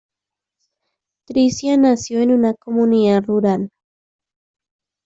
Tricia nació en una comunidad rural.